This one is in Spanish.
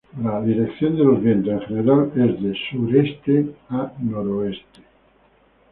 La dirección de los vientos, en general, es de sureste a noroeste.